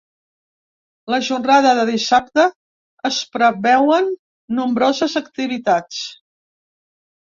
La jornada de dissabte es preveuen nombroses activitats.